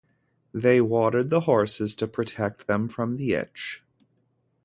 They watered the horses to protect them from the itch.